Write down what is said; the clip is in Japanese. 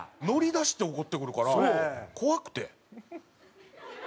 乗り出して怒ってくるから怖くて。